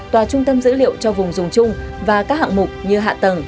tòa trung tâm dữ liệu cho vùng dùng chung và các hạng mục như hạ tầng